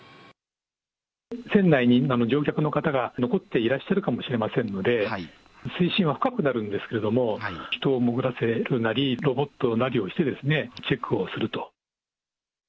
船内に今も乗客の方が残っていらっしゃるかもしれませんので、水深は深くなるんですけれども、人を潜らせるなり、ロボットなりをしてですね、チェックをすると。